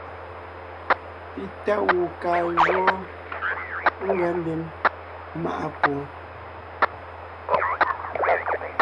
Pi tá gù kaa jǔɔ ngʉa mbím maʼa pwoon.